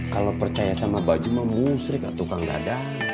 kalau percaya sama baju mah musrik lah tukang dadang